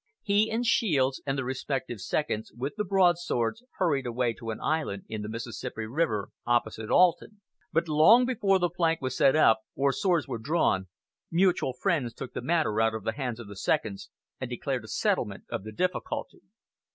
He and Shields, and their respective seconds, with the broadswords, hurried away to an island in the Mississippi River, opposite Alton; but long before the plank was set up, or swords were drawn, mutual friends took the matter out of the hands of the seconds, and declared a settlement of the difficulty.